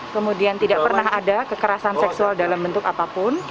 kemudian tidak pernah ada kekerasan seksual dalam bentuk apapun